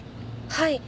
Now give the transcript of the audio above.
はい。